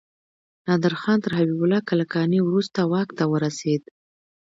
نادر خان تر حبيب الله کلکاني وروسته واک ته ورسيد.